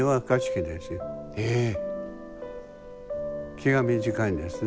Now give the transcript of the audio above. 気が短いんですね。